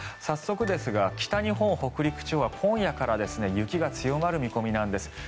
早速ですが北日本、北陸地方は今夜から雪が強まる見込みなんです。